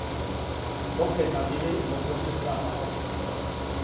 Ŋgokeʼndaʼmide mumuse tsaʼmajojtaʼm.